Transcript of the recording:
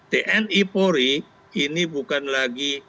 tni polri ini bukan lagi